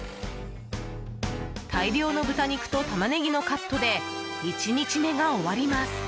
大量の豚肉とタマネギのカットで１日目が終わります。